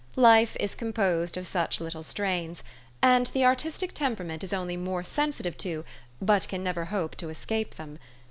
Life is composed of such little strains ; and the artistic temperament 256 THE STORY OF AVIS. is only more sensitive to, but can never hope to escape them.